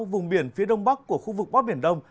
vùng biển phía đông bắc của khu vực bắc biển đông